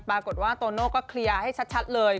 ปรากฏว่าโตโน่ก็เคลียร์ให้ชัดเลย